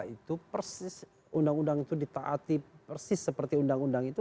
dua puluh empat dua ribu tiga itu persis undang undang itu ditaati persis seperti undang undang itu